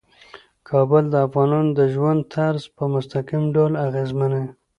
کابل د افغانانو د ژوند طرز په مستقیم ډول اغېزمنوي.